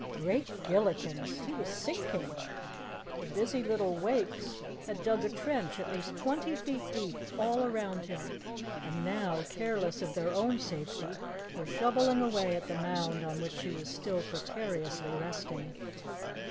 Great Gillikens! He was sinking! The busy little Wakes had dug a trench at least twenty feet deep all around him and now, careless of their own safety, were shoveling away at the mound on which he was still precariously resting.